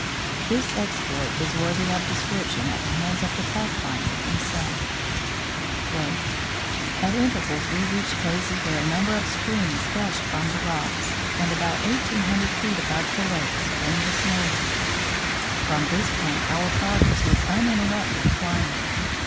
This exploit is worthy of description at the hands of the Pathfinder himself. "At intervals we reached places where a number of springs gushed from the rocks, and about 1,800 feet above the lakes came to the snow line. From this point our progress was uninterrupted climbing.